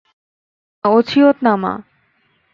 হ্যাঁ, অছিয়তনামা।